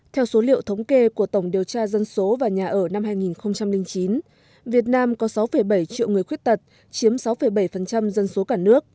theo số liệu thống kê của tổng điều tra dân số và nhà ở năm hai nghìn chín việt nam có sáu bảy triệu người khuyết tật chiếm sáu bảy dân số cả nước